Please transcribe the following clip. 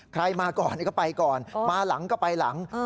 ใครมาก่อนก็ไปก่อนมาหลังก็ไปหลัง